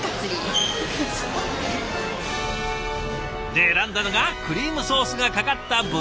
で選んだのがクリームソースがかかった豚のヒレカツ。